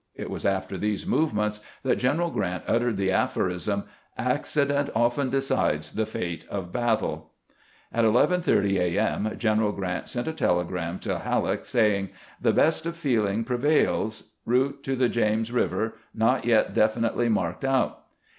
It was after these movements that General Grrant uttered the aphorism, " Accident often decides the fate of battle." At 11 : 30 A. M. Greneral Grrant sent a telegram to Hal leck, saying :" The best of feeling prevails. ... Route to the James River ... not yet definitely marked out."